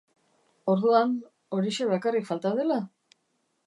Orduan, horixe bakarrik falta dela!